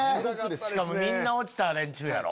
しかもみんな落ちた連中やろ？